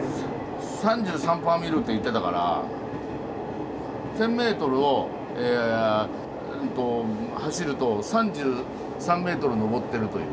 ３３パーミルって言ってたから１，０００メートルを走ると３３メートルのぼってるという。